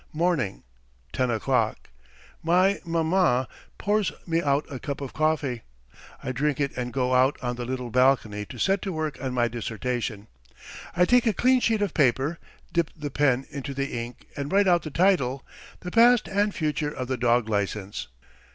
Morning. Ten o'clock. My maman pours me out a cup of coffee. I drink it and go out on the little balcony to set to work on my dissertation. I take a clean sheet of paper, dip the pen into the ink, and write out the title: "The Past and Future of the Dog Licence."